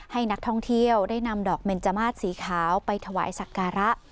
ให้นักท่องเที่ยวได้นำดอกเบนจมาสสีขาวไปถวายสักการะ